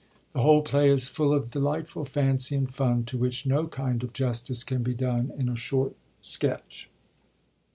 The whole play is full of delightful fancy and fun, to which no kind of justice can be done in a short sketch.